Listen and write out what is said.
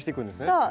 そう。